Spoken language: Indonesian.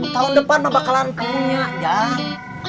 tahun depan mah bakalan punya jang